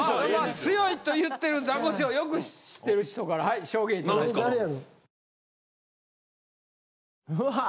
強いと言ってるザコシをよく知ってる人から証言いただいています。